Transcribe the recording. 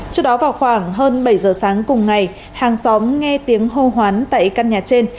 trước đó vào khoảng hơn bảy giờ sáng cùng ngày hàng xóm nghe tiếng hô hoán tại căn nhà trên